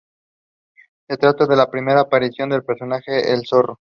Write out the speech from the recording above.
Se trata de la primera aparición del personaje de El Zorro.